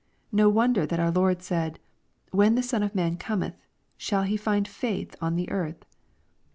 No wonder that our Lord . said, " When the Son of man cometh, shall He find^ faith on the earth